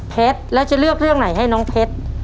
แล้วจะเลือกเรื่องไหนให้น้องเพชร